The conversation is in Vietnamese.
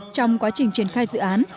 trong quá trình triển khai dự án